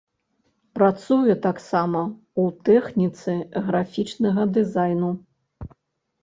Працуе таксама ў тэхніцы графічнага дызайну.